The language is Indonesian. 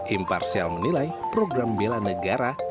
imparsial menilai program bila negara tidak tepat sesaran